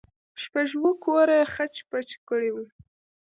شپږ اوه كوره يې خچ پچ كړي وو.